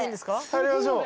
入りましょう。